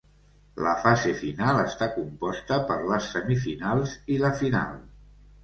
La fase final està composta per les semifinals i la final.